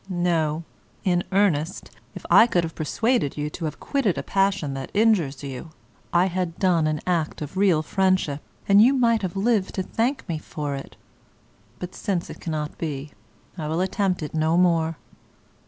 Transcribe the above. No, in earnest, if I could have persuaded you to have quitted a passion that injures you, I had done an act of real friendship, and you might have lived to thank me for it; but since it cannot be, I will attempt it no more.